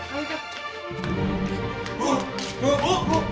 pak ibu pak ibu